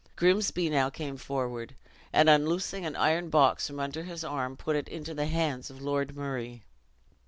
Grimsby now came forward; and unloosing an iron box from under his arm, put it into the hands of Lord Murray.